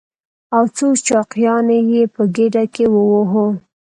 او څو چاقيانې يې په ګېډه کې ووهو.